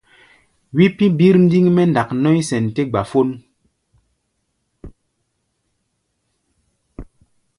Wí pí̧ birndiŋ mɛ́ ndak nɔ̧́í̧ sɛn tɛ́ gbafón.